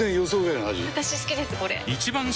私好きですこれ！